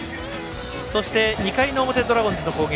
そして、２回の表ドラゴンズの攻撃。